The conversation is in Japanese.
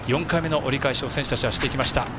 ４回目の折り返しを選手たちはしていきました。